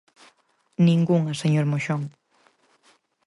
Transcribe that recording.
Ningunha, señor Moxón.